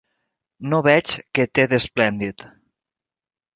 No veig què té d'esplèndid.